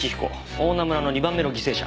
大菜村の２番目の犠牲者。